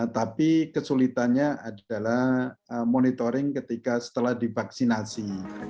tapi kesulitannya adalah monitoring ketika setelah divaksinasi